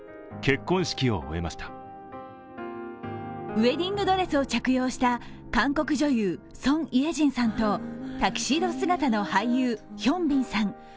ウエディングドレスを着用した韓国女優、ソン・イェジョンさんとタキシード姿の俳優、ヒョンビンさん。